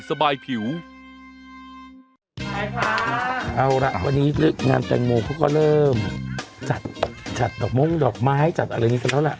เอาล่ะวันนี้งานแตงโมเขาก็เริ่มจัดจัดดอกม้งดอกไม้จัดอะไรอย่างนี้กันแล้วล่ะ